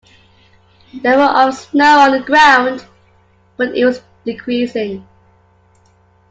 There were of snow on the ground, but it was decreasing.